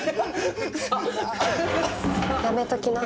やめときな。